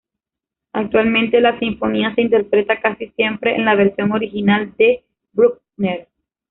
Actualmente, la sinfonía se interpreta casi siempre en la versión original de Bruckner.